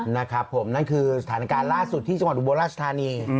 นะครับผมนั่นคือสถานการณ์ล่าสุดที่จังหวัดอุบลราชธานี